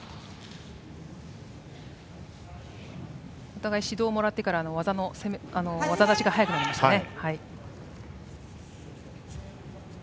お互い指導をもらってから技出しが早くなりましたね。